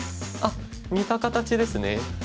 あっ似た形ですね。